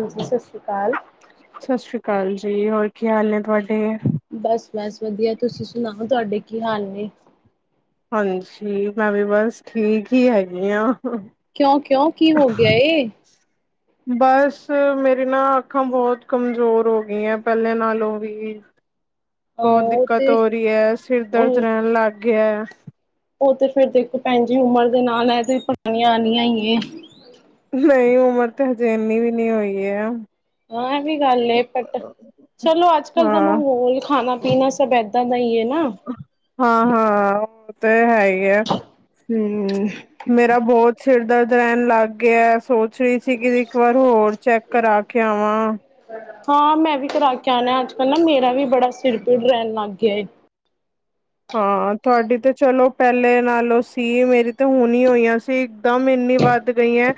ਹਾਂਜੀ ਸਤਿ ਸ਼੍ਰੀ ਅਕਾਲ। ਸਤਿ ਸ੍ਰੀ ਅਕਾਲ ਜੀ ਹੋਰ ਕੀ ਹਾਲ ਨੇ ਤੁਹਾਡੇ? ਬਸ-ਬਸ ਵਧੀਆ, ਤੁਸੀਂ ਸੁਣਾਓ ਤੁਹਾਡੇ ਕੀ ਹਾਲ ਨੇ? ਹਾਂਜੀ ਮੈਂ ਵੀ ਬਸ ਠੀਕ ਹੀ ਹੈਗੀ ਹਾਂ, ਕਿਉਂ ਕਿਉਂ ਕੀ ਹੋ ਗਿਆ ਏ, ਬਸ ਮੇਰੀ ਨਾ ਅੱਖਾਂ ਬਹੁਤ ਕਮਜ਼ੋਰ ਹੋ ਗਈਆਂ ਪਹਿਲੇ ਨਾਲੋਂ ਵੀ ਹਾਂ ਬਹੁਤ ਉਹ ਦਿੱਕਤ ਤੇ ਹੋ ਰਹੀ ਹੈ ਸਿਰ ਦਰਦ ਉਹ ਰਹਿਣ ਲੱਗ ਗਿਆ। ਉਹ ਤੇ ਫਿਰ ਦੇਖੋ ਪੈਣ ਜੀ ਉਮਰ ਦੇ ਨਾਲ ਐ ਤੇ ਪਰੇਚਣੀਆ ਨੀ ਹੈਗਿਆ ਹੀ ਨ ਨਹੀਂ ਉਮਰ ਤੇ ਹਜੇ ਇੰਨੀ ਵੀ ਨੀ ਹੋਈ ਐ, ਹਾਂ ਇਹ ਵੀ ਗੱਲ ਬਟ ਚਲੋ ਅੱਜ-ਕੱਲ੍ਹ ਦਾ ਹਾਂ। ਮਾਹੌਲ ਖਾਣਾ ਪੀਣਾ ਸਭ ਇਦਾਂ ਏਦਾਂ ਦਾ ਹੀ ਐ ਨਾ ਹਾਂ-ਹਾਂ ਉਹ ਤੇ ਹੈ ਹੀ ਹੈ ਮੇਰਾ ਬਹੁਤ ਸਿਰ ਦਰਦ ਰਹਿਣ ਲੱਗ ਗਿਆ ਸੋਚ ਰਹੀ ਸੀ ਕਿ ਇੱਕ ਵਾਰ ਹੋਰ ਚੈੱਕ ਕਰਾ ਕੇ ਆਵਾਂ ਹਾਂ ਮੈਂ ਵੀ ਕਰਾ ਕੇ ਆਣਾ ਅੱਜ-ਕੱਲ੍ਹ ਨਾ ਮੇਰਾ ਵੀ ਬੜਾ ਸਿਰ ਪਿੜ ਰਹਿਣ ਲੱਗ ਗਿਆ ਐ ਹਾਂ ਤੁਹਾਡੀ ਤੇ ਚਲੋ ਪਹਿਲੇ ਨਾਲੋਂ ਸੀ ਮੇਰੀ ਤੇ ਹੁਣ ਹੋਈਆਂ ਸੀ ਇੱਕਦਮ ਨੀ ਵੱਧ ਗਈ ਹੈ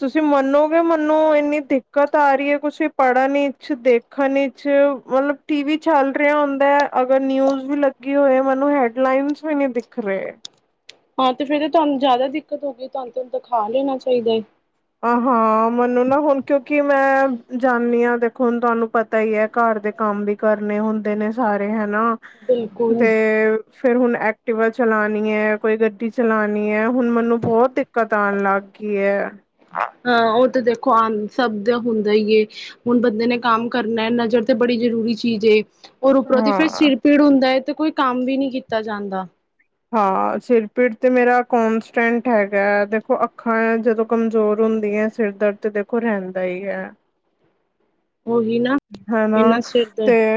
ਤੁਸੀਂ ਮੰਨੋਗੇ ਮਨੋ ਇੰਨੀ ਦਿੱਕਤ ਆ ਰਹੀ ਹੈ ਤੁਸੀਂ ਪੜ੍ਹਨੀ ਇੱਚ ਦੇਖਣ ਇਚ ਮਤਲਬ ਟੀ ਵੀ ਚੱਲ ਰਿਹਾ ਹੁੰਦਾ ਅਗਰ ਨਿਊਜ਼ ਵੀ ਲਗੀ ਕੀ ਹੋਏ ਮੈਨੂੰ ਹੈਡ ਲਈਨ ਵੀ ਨੀ ਦਿਖ ਰਹੇ ਹਾਂ ਤੇ ਫੇਰ ਤੁਹਾਨੂੰ ਜ਼ਿਆਦਾ ਦਿੱਕਤ ਹੋ ਗਈ ਤੁਹਾਨੂੰਹੂੰ ਦਿਖਾ ਲੈਣਾ ਚਾਹੀਦਾ ਹੈ ਹਾਂ ਮੈਨੂੰ ਨਾ ਹੁਣ ਕਿਉਂਕਿ ਮੈਂ ਜਾਂਦੀ ਹਾਂ ਦੇਖੋ ਹੁਣ ਤੁਹਾਨੂੰ ਪਤਾ ਹੀ ਹੈ ਘਰ ਦੇ ਕੰਮ ਕੰਮ ਵੀ ਕਰਨੇ ਹੁੰਦੇ ਨੇ ਸਾਰੇ ਹਨਾ ਤੇ ਬਿਲਕੁਲ ਫੇਿਰ ਹੁਣ ਐਕਟੀਿਵਾ ਚਲਾਉਣੀ ਹੈ ਕੋਈ ਗੱਡੀ ਚਲਾਉਣੀ ਹੈ ਹੁਣ ਮੈਨੂੰ ਬਹੁਤ ਦਿੱਕਤ ਆਉਣ ਲੱਗ ਗੀ ਹੈ ਹਾਂ ਉਹ ਤੇ ਦੇਖੋ ਆ ਸਭ ਦਾ ਹੁੰਦਾ ਈ ਏ ਹੁਣ ਬੰਦੇ ਨੇ ਕੰਮ ਕਰਨਾ ਨਜ਼ਰ ਤੇ ਬ ਬੜੀ ਜ਼ਰੂਰੀ ਚੀਜ਼ ਔਰ ਉੱਪਰੋਂ ਦੀ ਫਿਰ ਹਾਂ ਸਿਰ ਪੀੜ ਹੁੰਦਾ ਹੈ ਤੇ ਕੋਈ ਕੰਮ ਵੀ ਨਹੀਂੀ ਕੀਤਾ ਜਾਂਦਾ ਹਾਂ ਸਿਰ ਪੀੜ ਤੇ ਮੇਰਾ ਕੋਂਸਟੈਂਟ ਹੈਗਾ ਹੈ ਦੇਖੋ ਅੱਖਾਂ ਜਦੋਂ ਕਮਜ਼ੋਰ ਹੁੰਦੀਆਂ ਸਿਰ ਦਰਦ ਤੇ ਦੇਖੋ ਰਹਿੰਦਾ ਹੀ ਹੈ ਉਹੀ ਨਾ ਹਨਾ ਇੰਨਾ ਸਿਰ ਤੇ ਦਰਦ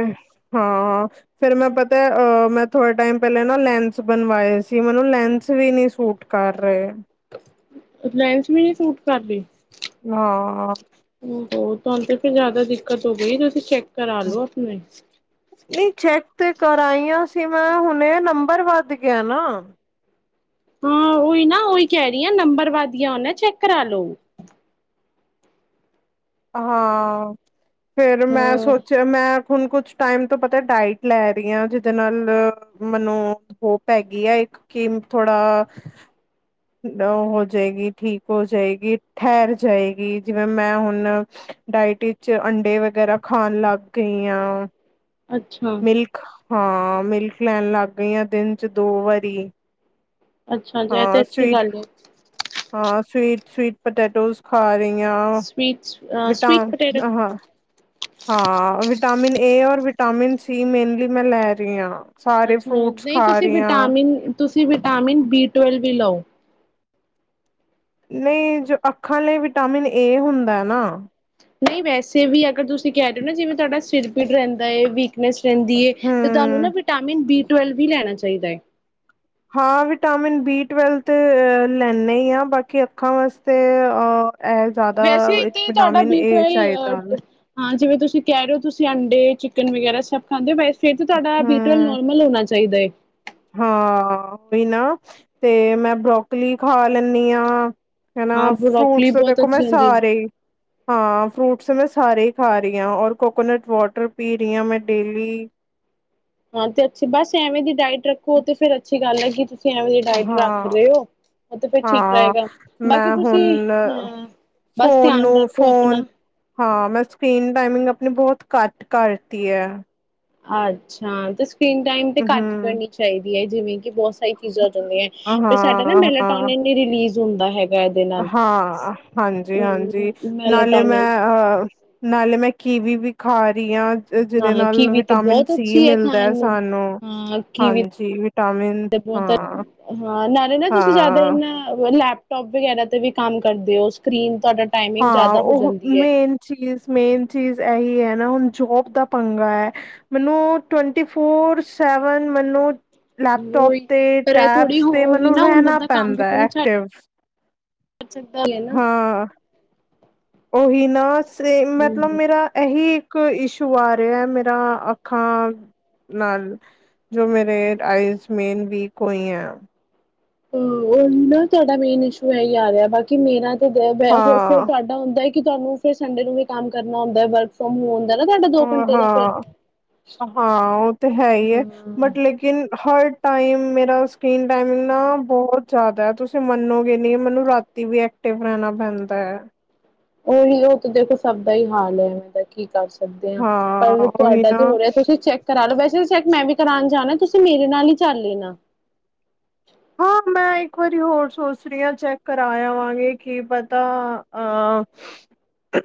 ਹਾਂ ਫੇਿਰ ਮੈਂ ਪਤਾ ਅ ਮੈਂ ਥੋੜੇ ਟਾਈਮ ਪਹਿਲੇ ਨਾ ਲੈਸ ਬਣਵਾਏ ਸੀ ਮੈਨੂੰ ਲੈਂਸ ਵੀ ਨੀ ਸੂਟ ਕਰ ਰਹੇ ਲੇਂਸ ਵੀ ਨਹੀਂੀ ਸੂਟ ਕਰਦੇ ਹਾਂ ਤੁਹਾਨੂੰ ਤੇ ਫਿਰਰ ਜ਼ਿਆਦਾ ਦਿੱਕਤ ਹੋ ਗਈ ਤੁਸੀਂ ਚੈੱਕ ਕਰਾ ਲੋ ਆਪਣੇ ਨਹੀਂ ਚੈਕ ਤੇ ਕਰਾਇਆ ਸੀ ਮੈਂ ਹੁਣੇ ਨੰਬਰ ਵੱਧ ਗਿਆ ਨਾ ਹਾਂ ਉਓਹੀ ਨਾ ਉਹੀ ਕਹਿ ਰਹੀ ਹ ਨੰਬਰ ਵਦ ਗਿਆ ਨਾ ਚੈੱਕ ਕਰਾ ਲੋ ਹਾਂ ਫੇਰ ਮੈਂ ਹਾਂ ਸੋਚਿਆ ਮੈਂ ਹੁਣ ਕੁਛ ਟਾਈਮ ਤੋਂ ਪਤਾ ਡਾਇਟ ਲੈ ਰਹੀ ਹਾਂ ਜਿਹਦੇ ਨਾਲ ਮੈਨੂੰ ਹੋਪ ਹੈਗੀ ਏ ਕਿ ਥੋੜਾ ਹੋ ਜਾਏਗੀ ਠੀਕ ਹੋ ਜਾਏਗੀ ਠਹਿਰ ਜਾਏਗੀ ਜਿਵੇਂ ਮੈਂ ਹੁਣ ਡਾਇਟ ਵਿੱਚ ਅੰਡੇ ਵਗੈਰਾ ਖਾਣ ਲੱਗ ਗਈ ਆ ਅੱਛਾ ਮਿਲਕ ਹਾਂ ਮਿਲਕ ਲੈਣ ਲੱਗ ਗਈਆਂ ਦਿਨ ਚ ਦੋ ਵਾਰੀ ਅੱਛਾ ਜ ਇਹ ਤੇ ਹਾਂ ਅੱਛੀ ਸਵੀਟ ਗੱਲ ਹਾਂ ਸਵੀਟ ਸਵੀਟ ਪਟੈਟੋਸ ਖਾ ਰਹੀ ਸਵੀਟ ਵਿਟਾਂ ਸਵੀਟ ਪਟੇਟੋ ਆਹਾਂ ਹਾਂ ਵਿਟਾਮਿਨ ਏ ਔਰ ਵਿਟਾਮਿਨ ਸੀ ਮੇਨਲੀ ਮੈਂ ਲੈ ਰਹੀ ਹਾਂ ਸਾਰੇ ਅੱਛਾ ਫਰੂਟਸ ਨਹੀਂ ਖਾ ਤੁਸੀਂ ਰਹੀ ਹਾਂ ਵਿਟਾਮਿਨ ਤੁਸੀਂ ਵਿਟਾਮਿਨ ਬੀ ਤੁਵੇਲ ਵੀ ਲਓ ਨਹੀਂ ਜੋ ਅੱਖਾਂ ਲਈ ਵਿਟਾਮਿਨ ਏ ਹੁੰਦਾ ਨਾ ਨਹੀਂ ਵੈਸੇ ਵੀ ਅਗਰ ਤੁਸੀਂ ਕਹਿ ਰਹੇ ਹੋ ਨਾ ਜਿਵੇਂ ਤੁਹਾਡਾ ਸਿਰ ਪੀੜ ਰਹਿੰਦਾ ਹੈ ਵੀਕਨੈਸ ਰਹਿੰਦੀ ਹੈ ਤੇ ਤੁਹਾਨੂੰ ਹਮ ਨਾ ਵਿਟਾਮਿਨ ਬੀ ਟਵੇਲਵ ਵੀ ਲੈਣਾ ਚਾਹੀਦਾ ਹੈ ਹਾਂ ਵਿਟਾਮਿਨ ਬੀ ਟਵੈਲਵ ਤੇ ਅ ਲੈਂਦੇ ਹੀ ਹ ਬਾਕੀ ਅੱਖਾਂ ਵਾਸਤੇ ਆ ਵੈਸੇ ਇਥ ਤੁਹਾਡਾ ਬੀ ਚਾਹੀਦਾ ਟਵੇਲਵ ਹਾਂ ਜਿਵੇਂ ਤੁਸੀਂ ਕਹਿ ਰਹੇ ਹੋ ਤੁਸੀਂ ਅੰਡਾ ਚਿਕਨ ਵਗੈਰਾ ਸਭ ਖਾਂਦੇ ਓ ਫਿਰ ਤੁਹਾਡਾ ਬੀ ਟਵੇਲ ਹਮ ਨੋਰਮਲ ਹੋਣਾ ਚਾਹੀਦਾ ਹੈ ਹਾਂ ਓਹੀ ਨਾ ਤੇ ਮੈਂ ਬਰੋਕਲੀ ਖਾ ਲੈਂਨੀ ਹਾਂ ਹਨਾ ਹਾਂ ਬਰੋਕਲੀ ਫਰੂਟਸ ਬਹੁਤ ਦੇਖੋ ਮੈਂ ਅੱਛੀ ਹੁੰਦੀ ਹੈ ਸਾਰੇ ਹੀ ਹਾਂ ਫਰੂਟਸ ਮੈਂ ਸਾਰੇ ਹੀ ਖਾ ਰਹੀ ਹਾਂ ਔਰ ਕੋਕੋਨਟ ਵਾਟਰ ਪੀ ਰਹੀ ਹਾਂ ਮੈਂ ਡੇਲੀ [inaudible] ਹਾਂ ਤੇ ਅੱਛੀ ਬਸ ਐਵੇਂ ਦੀ ਡਾਇਟ ਰੱਖੋ ਤੇ ਫੇਰ ਅੱਛੀ ਗੱਲ ਹੈ ਕਿ ਤੁਸੀ ਤੁਸੀ ਐਵੇਂ ਜਿਹੀ ਡਾਇਟ ਰੱਖ ਹਾਂ ਲਿਓ ਤੇ ਫਿਰ ਠੀਕ ਹਾਂ ਰਹੇਗਾ ਬਾਕੀ ਮੈਂ ਤੁਸੀਂ ਹੁਣ ਹਮ ਬਸ ਫੋਨ ਧਿਆਨ ਨੂੰ ਰੱਖੋ ਫੋਨ ਆਪਣਾ ਹਾਂ ਮੈਂ ਸਕ੍ਰਰੀਨ ਟਾਈਮਿੰਗ ਆਪਣੀ ਬਹੁਤ ਘੱਟ ਕਰਤੀ ਹੈ ਅੱਛਾ ਤੇ ਸਕਰੀਨ ਟਾਈਮ ਤੇ ਘੱਟ ਹਮ ਕਰਨੀ ਚਾਹੀਦੀ ਹੈ ਜਿਵੇਂ ਐ ਬਹੁਤ ਸਾਰੀ ਚੀਜ਼ਾਂ ਆ ਜਾਂਦੀਆਂ ਹਾਂ, ਫਿਰ ਸਾਡਾ ਨਾ ਹਾਂ, ਮੈਲਾਟੋਨਨ ਰਿਲੀਜ਼ ਹੁੰਦਾ ਹੈਗਾ ਇਹਦੇ ਨਾਲ। ਹਾਂ ਹਾਂਜੀ ਹਾਂਜੀ ਨਾਲੇ ਮੈਂ ਮੈਲਾਟੋਨਿਨ ਅਹ ਨਾਲੇ ਮੈਂ ਕਿਵੀ ਵੀ ਖਾ ਰਈ ਆ। ਜਿਹਦੇ ਹਾਂ ਨਾਲ ਕੀਵੀ ਤੇ ਵਿਟਾਮਿਨ ਬਹੁਤ ਸੀ ਅੱਛੀ ਮਿਲਦਾ ਖਾਣ ਹੈ ਨੂੰ ਸਾਨੂੰ ਹਾਂ ਕੀਵੀ ਹਾਂਜੀ ਵਿਟਾਮਿਨ ਤੇ ਬਹੁਤ ਹਾਂ ਹਾਂ ਨਾਲੇ ਨਾ ਤੁਸੀਂ ਜ਼ਿਆਦਾ ਹਾਂ, ਇਹਨਾਂ ਲੈਪਟੋਪ ਵਗੈਰਾ ਤੇ ਵੀ ਕੰਮ ਕਰਦੇ ਹੋ ਸਕਰੀਨ ਤੁਹਾਡਾ ਟਾਈਮਿੰਗ ਹਾਂ ਜ਼ਿਆਦਾ ਹੋ ਉਹ ਜਾਂਦੀ ਹੈ ਮੇਨ ਚੀਜ਼ ਮੇਨ ਚੀਜ਼ ਇਹੀ ਹੈ ਨਾ ਹੁਣ ਜੋਬ ਦਾ ਪੰਗਾ ਹੈ ਮੈਨੂੰ ਟਵੰਟੀ ਫੋਰ ਸੈਵਨ ਮੈਨੂੰ ਲੈਪਟੋਪ ਉਹੀ ਤੇ ਪਰ ਇਹ ਥੋੜ੍ਹੀ ਟੈਬਸ ਤੇ ਉਹੀ ਮੈਨੂੰ ਨਾ ਹੁਣ ਰਹਿਣਾ ਬੰਦਾ ਕੰਮ ਵੀ ਪੈਂਦਾ ਤੇ ਹੈ ਨਹੀਂ ਛੱਡ ਐਕਟਿਵ ਸਕਦਾ ਨਈ ਨਾ ਹਾਂ ਉਹੀ ਨਾ ਸੇ ਮਤਲਬ ਹਮ ਮੇਰਾ ਇਹੀ ਇੱਕ ਇਸ਼ੂ ਆ ਰਿਹਾ ਮੇਰਾ ਅੱਖਾਂ ਨਾਲ ਜੋ ਮੇਰੇ ਆਇਸ ਮੇਨ ਵੀਕ ਹੋਈ ਆ ਹ ਉਹਨ ਨਾ ਤੁਹਾਡਾ ਮੇਨ ਇਸ਼ੂ ਇਹ ਆਰਿਯਾ ਐ ਬਾਕੀ ਮੇਰਾ ਹੋਰ ਫਿਰ ਹਾਂ ਤੁਹਾਡਾ ਹੁੰਦਾ ਹੈ ਕਿ ਤੁਹਾਨੂੰ ਫਿਰ ਸੰਡੇ ਨੂੰ ਵੀ ਕੰਮ ਕਰਨਾ ਹੁੰਦਾ ਵਰਕ ਫਰੋਮ ਹੋਮ ਦਾ ਨਾ ਤੁਹਾਡਾ ਦੋ ਘੰਟੇ ਦਾ ਫਿਰ ਹਾਂ ਹਾਂ ਉਹ ਤੇ ਹੈ ਹੀ ਹੈ ਹਾਂ ਬਟ ਲੇਕਿਨ ਹਰ ਟਾਈਮ ਮੇਰਾ ਸਕਰੀਨ ਟਾਈਮਿੰਗ ਨਾ ਬਹੁਤ ਜ਼ਿਆਦਾ ਹੈ ਤੁਸੀਂ ਮੰਨੋਗੇ ਨਹੀਂ ਮੈਨੂੰ ਰਾਤੀ ਵੀ ਐ ਟਿਵਰਣਾ ਪੈਂਦਾ ਹੈ ਉਹੀ ਉਹ ਤਾਂ ਦੇਖੋ ਸਭ ਦਾ ਹੀ ਹਾਲ ਹੈਵੇ ਦਾ ਕੀ ਕਰ ਐਦਾ ਹੀ ਪਰ ਹਾਂ ਉਹੀ ਤੁਹਾਡਾ ਤੇ ਨਾ ਹੋ ਰਿਹਾ ਤੁਸੀਂ ਚੈੱਕ ਕਰਾ ਲੋ ਵੈਸੇ ਨਈ ਚੈੱਕ ਮੈਂ ਵੀ ਕਰਾਉਣ ਜਾਣਾ ਤੁਸੀਂ ਮੇਰੇ ਨਾਲ ਹੀ ਚੱਲ ਲੈਣਾ ਹਾਂ ਮੈਂ ਇੱਕ ਵਾਰੀ ਹੋਰ ਸੋਚ ਰਹੀ ਹਾਂ ਚੈੱਕ ਕਰਾਵਾਂਗੇ ਕਿ ਪਤਾ ਅਹ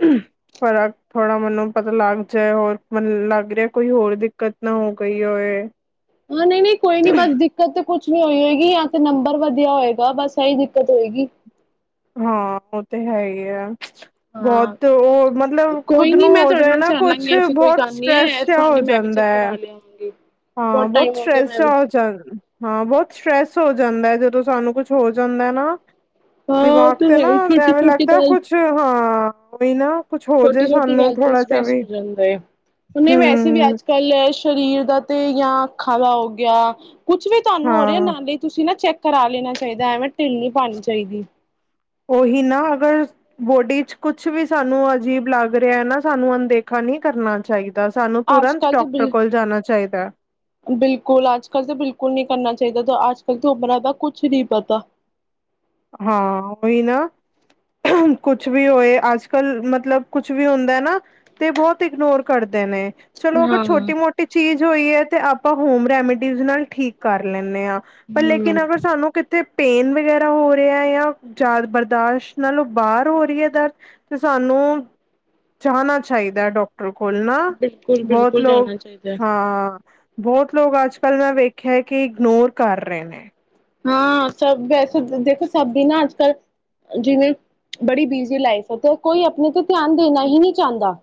ਫਰਕ ਥੋੜਾ ਮੈਨੂੰ ਪਤਾ ਲੱਗ ਜਾਏ ਹੋਰ ਮਨ ਲੱਗ ਰਿਹਾ ਕੋਈ ਹੋਰ ਦਿੱਕਤ ਨਾ ਉਹ ਕਹੀਏ ਹਾਂ ਨਹੀਂ ਨਹੀਂ ਕੋਈ ਨੀ ਬਸ ਦਿੱਕਤ ਤੇ ਕੁਛ ਕੁਛ ਨਹੀਂ ਹੋਈ ਹੋਏਗੀ ਜਾਂ ਤੇ ਨੰਬਰ ਵਧੀਆ ਹੋਏਗਾ ਬਸ ਇਹੀ ਦਿੱਕਤ ਹੋਏਗੀ ਹਾਂ ਉਹ ਤੇ ਹੈ ਹੀ ਆ ਹਾਂ ਬਹੁਤ ਉਹ ਮਤਲਬ ਕੋਈ ਖੁਦ ਨੂੰ ਨੀ ਮੈਂ ਹੋ ਤੁਹਾਡੇ ਜਾਏ ਨਾਲ ਨਾ ਕੁਛ ਚੱਲਾਂਗੀ ਐਸੀ ਕੋਈ ਬਹੁਤ ਗੱਲ ਨੀ ਹੈ ਸਟਰ੍ਰੈਸ ਇਸ ਜਿਹਾ ਹੋ ਬਹਾਨੇ ਮੈਂ ਵੀ ਜਾਂਦਾ ਚੈੱਕ ਹੈ ਕਰਾ ਲਗੇ ਹਾਂ ਬਹੁਤ ਸਟ੍ਰੈੱਸ ਜਾ ਹਾਂ ਬਹੁਤ ਸਟ੍ਰੈੱਸ ਹੋ ਜਾਂਦਾ ਜਦੋਂ ਸਾਨੂੰ ਕੁਛ ਹੋ ਜਾਂਦਾ ਨਾ ਹਾਂ ਉਹ ਦਿਮਾਗ ਤਾਂ ਤੇ ਹੈ ਨਾ ਹੀ ਛੋਟੀ ਐਵੇਂ ਛੋਟੀ ਲੱਗਦਾ ਕੁਛ ਹਾਂ ਹੀ ਨਾ ਕੁਛ ਹੋ ਛੋਟੀ ਜਾਏ ਛੋਟੀ ਸਾਨੂੰ ਗੱਲ ਤੇ ਥੋੜਾ ਜਿਹਾ ਸਟਰ੍ਰੈਸ ਵੀ ਹੋ ਜਾਂਦਾ ਹੈ ਉਹੁਨੇ ਵੈਸੇ ਵੀ ਹਮ ਅੱਜ ਕੱਲ੍ਹ ਸਰੀਰ ਦਾ ਤੇ ਜਾਂ ਅੱਖਾਂ ਦਾ ਹੋ ਗਿਆ ਕੁੱਛ ਵੀ ਤੁਹਾਨੂੰ ਹੋ ਰਿਹਾ ਹਾਂ ਨਾਲੇ ਤੁਸੀਂ ਨਾ ਚੈੱਕ ਕਰਾ ਲੈਣਾ ਚਾਹੀਦਾ ਐਵੇਂ ਢਿੱਲ ਨੀ ਪਾਉਣੀ ਚਾਹੀਦੀ ਉਹੀ ਨਾ ਅਗਰ ਬੋਡੀ ਚ ਕੁਛ ਵੀ ਸਾਨੂੰ ਅਜੀਬ ਲੱਗ ਰਿਹਾ ਨਾ ਸਾਨੂੰ ਅਣਦੇਖਾ ਨਹੀਂ ਕਰਨਾ ਚਾਹੀਦਾ ਸਾਨੂੰ ਤੁਰੰਤ ਅੱਜ-ਕੱਲ੍ਹ ਤੇ ਡਾਕਟਰ ਬਿਲ ਕੋਲ ਜਾਣਾ ਚਾਹੀਦਾ ਬਿਲਕੁਲ ਅੱਜ ਕੱਲ ਤਾਂ ਬਿਲਕੁਲ ਨਈ ਕਰਨਾ ਚਾਹੀਦਾ ਅੱਜ ਕੱਲ ਤ ਉਮਰਾ ਦਾ ਕੁਛ ਨੀ ਪਤਾ ਹਾਂ ਉਹੀ ਨਾ ਕੁਛ ਵੀ ਹੋਏ ਅੱਜ ਕੱਲ ਮਤਲਬ ਕੁਛ ਵੀ ਹੁੰਦਾ ਨਾ ਤੇ ਬਹੁਤ ਇਗਨੋਰ ਕਰਦੇ ਨੇ ਚਲੋ ਅਗਰ ਹਾਂ ਛੋਟੀ ਮੋਟੀ ਚੀਜ਼ ਹੋਈ ਹੈ ਤੇ ਆਪਾਂ ਹੋਮ ਰੈਮੀਡੀਜ਼ ਨਾਲ ਠੀਕ ਕਰ ਲੈਂਦੇ ਹਾਂ ਪਰ ਲੇਕਿਨ ਹੂੰ ਅਗਰ ਸਾਨੂੰ ਕਿੱਥੇ ਪੇਨ ਵਗੈਰਾ ਹੋਹਾ ਰਿਹਾ ਜਾਂ ਯਦ ਬਰਦਾਸ਼ਤ ਨਾਲੋਂ ਬਾਹਰ ਹੋ ਰਹੀ ਹੈ ਦਰ ਤੇ ਸਾਨੂੰ ਜਾਣਾ ਚਾਹੀਦਾ ਡਾਕਟਰ ਕੋਲ ਨਾ ਬਹੁਤ ਬਿਲਕੁਲ-ਬਿਲਕੁਲ ਲੋਕ ਜਾਣਾ ਚਾਹੀਦਾ। ਹਾਂ ਬਹੁਤ ਲੋਕ ਅੱਜ ਕੱਲ੍ਹ ਮੈਂ ਵੇਖਿਆ ਹੈ ਕਿ ਇਗਨੋਰ ਕਰ ਰਹੇ ਨੇ ਹਾਂ ਸਭ ਵੈਸੇ ਦੇਖੋ ਸਭੀ ਨਾ ਅੱਜ ਕੱਲ ਜਿਵੇਂ ਬੜੀ ਬਿਜ਼ੀ ਲਾਈਫ ਹੈ ਤੇ ਕੋਈ ਆਪਣੇ ਤੇ ਧਿਆਨ ਦੇਣਾ ਹੀ ਨਹੀਂ ਚਾਹੁੰਦਾ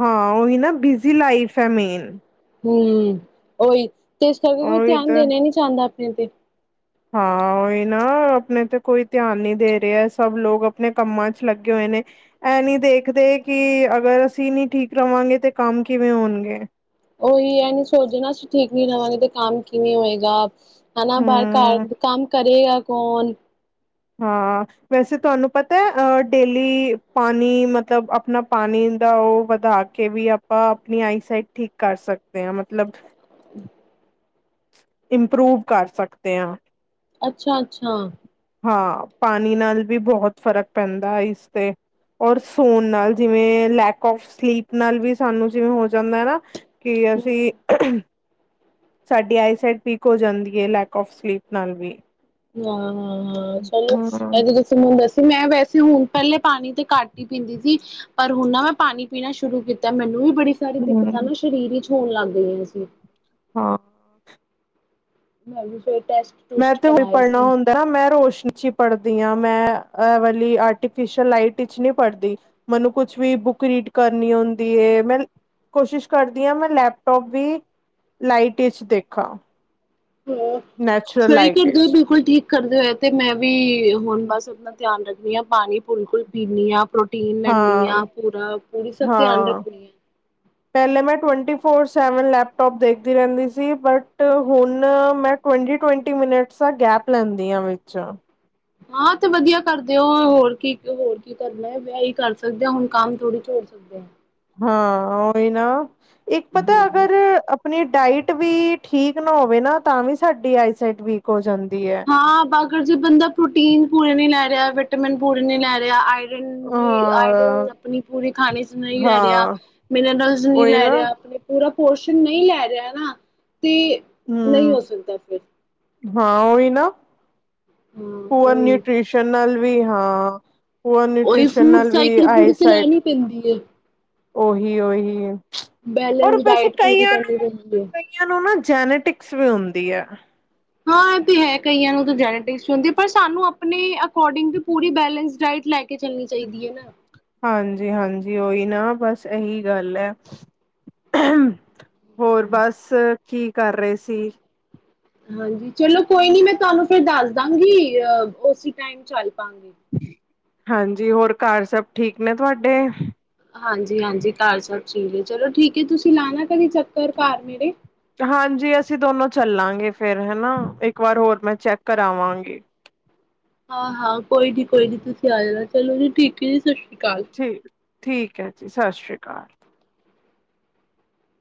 ਹਾਂ ਉਹੀ ਨਾ ਬਿਜੀੀ ਲਾਈਫ ਹੈ ਮੇਨ ਹਮ ਉਓਹੀ ਤੇ ਇਸ ਕਰਕੇ ਕੋਈ ਉਹੀ ਧਿਆਨ ਤੇ ਦੇਣਾ ਹੀ ਨਹੀਂੀ ਚਾਹੁੰਦਾ ਆਪਣੇ ਤੇ ਹਾਂ ਉਹੀ ਨਾ ਆਪਣੇ ਤੇ ਕੋਈ ਧਿਆਨ ਨੀ ਦੇ ਰਿਹਾ ਸਭ ਲੋਕ ਆਪਣੇ ਕੰਮਾਂ ਚ ਲੱਗੇ ਹੋਏ ਇਹ ਨੀ ਦੇਖਦੇ ਕਿ ਅਗਰ ਅਸੀਂ ਨੀ ਠੀਕ ਰਵਾਂਗੇ ਤੇ ਕੰਮ ਕਿਵੇਂ ਹੋਣਗੇ ਉਹੀ ਇਹ ਨੀ ਸੋਚਦੇ ਨਾ ਅਸੀਂ ਠੀਕ ਨੀ ਰਵਾਂਗੇ ਤੇ ਕੰਮ ਕਿਵੇਂ ਹੋਏਗਾ ਹਨਾ ਬਾਹਰ ਘ ਹਮ ਕੰਮ ਕਰੇਗਾ ਕੋਣ ਹਾਂ ਵੈਸੇ ਤੁਹਾਨੂੰ ਪਤਾ ਹੈ ਅ ਡੇਲੀ ਪਾਣੀ ਮਤਲਬ ਆਪਣਾ ਪਾਣੀ ਦਾ ਉਹ ਵਧਾ ਕੇ ਵੀ ਆਪਾਂ ਆਪਣੀ ਆਈਸਾਈਟ ਠੀਕ ਕਰ ਸਕਦੇ ਆ ਮਤਲਬ ਇੰਪਰੂਵ ਕਰ ਸਕਦੇ ਹਾਂ ਅੱਛਾ ਅੱਛਾ ਹਾਂ ਪਾਣੀ ਨਾਲ ਵੀ ਬਹੁਤ ਫ਼ਰਕ ਪੈਂਦਾ ਹੈ ਇਸ ਤੇ ਔਰ ਸੌਣ ਨਾਲ ਜਿਵੇਂ ਲੈਕ ਆਫ ਸਲੀਪ ਨਾਲ ਵੀ ਸਾਨੂੰ ਜਿਵੇਂ ਹੋ ਜਾਂਦਾ ਹੈ ਨਾ ਕੀ ਅਸੀਂ ਹਾਂ-ਹਾਂ-ਹਾਂ ਸਾਡੀ ਆਈਸਾਈਟ ਵੀਕ ਹੋ ਜਾਂਦੀ ਹੈ ਲੈਕ ਔਫ ਸਲੀਪ ਨਾਲ ਵੀ ਹਾਂ ਹਾਂ ਹਾਂ ਚਲੋ ਹਮ ਇਹ ਤੁਸੀ ਮ ਬੱਸ ਤੇ ਮੈਂ ਵੈਸੇ ਹੁਣ ਪਹਿਲੇ ਪਾਣੀ ਤਾਂ ਕੱਟ ਹੀ ਪੀਂਦੀ ਸੀ ਪਰ ਹੁਣ ਨਾ ਮੈਂ ਪਾਣੀ ਪੀਣਾ ਸ਼ੁਰੂ ਕੀਤਾ ਮੈਨੂੰ ਵੀ ਬੜੀ ਸਾਰੀ ਦਿੱਕਤਾਂ ਹਮ ਨਾ ਸਰੀਰ ਵਿੱਚ ਹੋਣ ਲੱਗ ਗਈਆਂ ਸੀ ਹਾਂ ਮੈਂ ਵੀ ਫੇਰ ਮੈਂ ਤੇ ਉਹੀ ਪੜ੍ਹਨਾ ਹੁੰਦਾ ਮੈਂ ਰੋਸ਼ਨੀ ਚ ਹੀ ਪੜ੍ਹਦੀ ਹਾਂ ਮੈਂ ਵਾਲੀ ਆਰਟੀਫਿਸ਼ਲ ਲਾਈਟ ਵਿੱਚ ਨਹੀਂ ਪੜ੍ਹਦੀ ਮੈਨੂੰ ਕੁਛ ਵੀ ਬੁੱਕ ਰੀਡ ਕਰਨੀ ਹੁੰਦੀ ਮੈਂ ਕੋਸ਼ਿਸ਼ ਕਰਦੀ ਹਾਂ ਮੈਂ ਲੈਪਟੋਪ ਵੀ ਲਾਈਟ ਵਿੱਚ ਦੇਖਾ ਹਾਂ ਸਹੀ ਕਰਦੇ ਹੋ ਵਿਚ ਬਿਲਕੁਲ ਠੀਕ ਕਰਦੇ ਹੋਏ ਤੇ ਮੈਂ ਵੀ ਹੁਣ ਬਸ ਆਪਣਾ ਧਿਆਨ ਰੱਖ ਪਾਣੀ ਪੁੰਨ ਕੇ ਪੀਣੀ ਆ ਡਾਈਟਿੰਗ ਲੈਣੀ ਹਾਂ ਆਂ ਪੂਰਾ ਪੂਰੀ ਸਭ ਧਿਆਨ ਹਾਂ ਰੱਖਣੀ ਆ ਪਹਿਲੇ ਮੈਂ ਤੇ ਟਵੱਟੀ ਫੋਰ ਸੈਵਨ ਲੈਪਟੋਪ ਦੇਖਦੀ ਰਹਿੰਦੀ ਸੀ ਬਟ ਹੁਣ ਮੈਂ ਟਵੱਟੀ ਮਿੰਟਸ ਦਾ ਗੈਪ ਲੈਂਦੀ ਆ ਵਿੱਚ ਹਾਂ ਤੇ ਵਧੀਆ ਕਰਦੇ ਹੋ ਹੋਰ ਕੀ ਹੋਰ ਕੀ ਕਰਨਾ [unintelligible] ਕਰ ਸਕਦੇ ਹੋ ਹੁਣ ਕੰਮ ਥੋੜੀ ਸਕਦੇ ਹਾਂ ਹਾਂ ਓਹੀ ਨਾ ਇੱਕ ਪਤਾ ਹਾਂ। ਅਗਰ ਆਪਣੀ ਡਾਇਟ ਵੀ ਠੀਕ ਨਾ ਹੋਵੇ ਨਾ ਤਾਂ ਵੀ ਸਾਡੀ ਆਈਸਾਈਟ ਵੀਕ ਹੋ ਜਾਂਦੀ ਹੈ ਹਾਂ ਬਾਗਰ ਜੇ ਬੰਦਾ ਪ੍ਰੋਟੀਨ ਪੂਰੇ ਨੀ ਲੈ ਰਿਹਾ ਵਿਟਾਮਿਨ ਪੂਰੇ ਨੀ ਲੈ ਰਿਹਾ ਆਈ। ਰਨ ਦੀ ਆਇਰਨ ਹਾਂ ਆਪਣੀ ਪੂਰੇ ਖਾਣੇ ਚ ਨਹੀਂ ਲੈ ਰਿਹਾ ਹਾਂ ਮਿਨਰਲ ਨਹੀਂ ਉਹੀ ਲੈ ਨਾ ਰਿਹਾ ਆਪਣੇ ਪੂਰਾ ਪੋਰਸ਼ਨ ਨਹੀਂ ਲੈ ਰਿਹਾ ਨਾ ਤੇ ਨਹੀਂ ਹਮ ਹੋ ਸਕਦਾ ਫਿਰ ਹਾਂ ਓਹੀ ਨਾ ਹਾਂ ਪੂਅਰ ਉਹੀ ਨਿਊਟ੍ਰੀਸ਼ਨ ਨਾਲ ਵੀ ਹਾਂ ਪੂਅਰ ਉਹੀ ਨਿਊਟ੍ਰਿਸ਼ਨ ਫੂਡ ਨਾਲ ਵੀ ਸਾਈਕਲ ਆਈ ਪੂਰੀ ਸਾਈਟ ਚਲਾਣੀ ਪੈਂਦੀ ਹੈ ਓਹੀ ਓਹੀ ਹੈ ਹੋਰ ਬੈਲੈਂਸ ਵੈਸੇ ਡਾਇਟ ਪੂਰੀ ਕਈਆਂ ਨੂੰ ਕਰਨੀ ਪੈਂਦੀ ਹੈ। ਕਈਆਂ ਨੂੰ ਨਾ ਜੈਨੇਟਿਕਸ ਵੀ ਹੁੰਦੀ ਹੈ ਹਾਂ ਇਹ ਹੈ ਕਈਆਂ ਨੂੰ ਜੈਨੇਟਿਕਸ ਪਰ ਸਾਨੂੰ ਆਪਣੇ ਅਕੋਰਡਿੰਗ ਵੀ ਪੂਰੀ ਬੈਲਸ ਡਾਇਟ ਲੈ ਕੇ ਚੱਲਣੀ ਚਾਹੀਦੀ ਹੈ ਨਾ ਹਾਂਜੀ ਹਾਂਜੀ ਓਹੀ ਨਾ ਬਸ ਇਹੀ ਗੱਲ ਹੈ ਹੋਰ ਬਸ ਕੀ ਕਰ ਰਹੇ ਸੀ ਹਾਂਜੀ ਚਲੋ ਕੋਈ ਨੀ ਮੈਂ ਤੁਹਾਨੂੰ ਫਿਰ ਦੱਸ ਦਾਂਗੀ ਅ ਉਸ ਟਾਈਮ ਚੱਲ ਪਾਂਗੇ ਹਾਂਜੀ ਹੋਰ ਘਰ ਸਭ ਠੀਕ ਨੇ ਤੁਹਾਡੇ ਹਾਂਜੀ ਹਾਂਜੀ ਘਰ ਸਭ ਠੀਕ ਹੈ ਚਲੋ ਠੀਕ ਹੈ ਤੁਸੀਂ ਲਾਣਾ ਕਦੇ ਚੱਕਰ ਘਰ ਮੇਰੇ ਹਾਂਜੀ ਅਸੀਂ ਦੋਨੋ ਚੱਲਾਂਗੇ ਫੇਰ ਹੈਨਾ ਇੱਕ ਵਾਰ ਹੋਰ ਮੈਂ ਚੈੱਕ ਕਰਾਵਾਂਗੀ [unintelligible] ਹਾਂ-ਹਾਂ ਕੋਈ ਨੀ ਕੋਈ ਨੀ ਤੁਸੀਂ ਆ ਜਾਣਾ ਚਲੋ ਠੀਕ ਹੀ ਜੀ ਅਕਾਲ। ਠੀਕ-ਠੀਕ ਹੈ ਜੀ ਸਤਿ ਸ਼੍ਰੀ ਅਕਾਲ